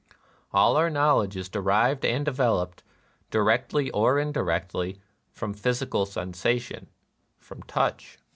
All our know ledge is derived and developed, directly or indirectly, from physical sensation, — from touch.